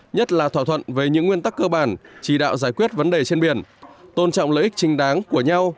nhất là thỏa thuận về những nguyên tắc cơ bản chỉ đạo giải quyết vấn đề trên biển tôn trọng lợi ích trinh đáng của nhau